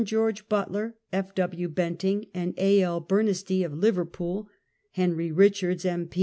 George Butler, F. W. Benting and A. L. Bernistee, of Liverpool ; Henry Richards, M.